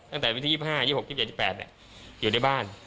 ตั้งแต่วิธี๒๕๒๖๒๗๒๘